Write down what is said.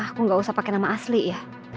aku nggak usah pakai nama asli ya